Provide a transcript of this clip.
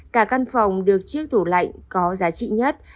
cả căn phòng được chiếc tủ lạnh có giá trị nhất